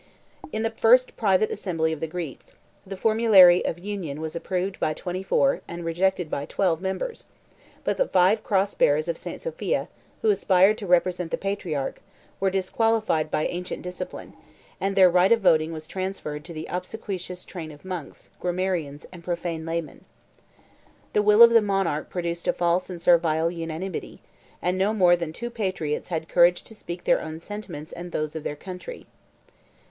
68 In the first private assembly of the Greeks, the formulary of union was approved by twenty four, and rejected by twelve, members; but the five cross bearers of St. Sophia, who aspired to represent the patriarch, were disqualified by ancient discipline; and their right of voting was transferred to the obsequious train of monks, grammarians, and profane laymen. The will of the monarch produced a false and servile unanimity, and no more than two patriots had courage to speak their own sentiments and those of their country.